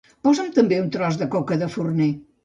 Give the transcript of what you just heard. Posa'm també un tros de coca de forner